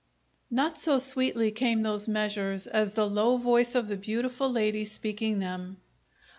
Not so sweetly came those measures as the low voice of the beautiful lady speaking them.